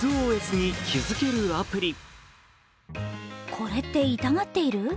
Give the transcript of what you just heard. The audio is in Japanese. これって痛がっている？